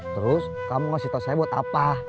terus kamu ngasih tau saya buat apa